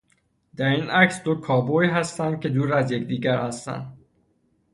در این عکس دو کابوی هستند که دور از یکدیگر هستند.